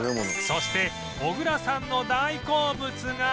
そして小倉さんの大好物が